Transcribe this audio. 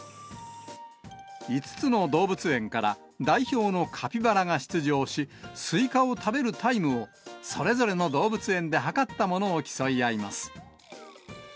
５つの動物園から代表のカピバラが出場し、スイカを食べるタイムをそれぞれの動物園で計ったものを競い合います。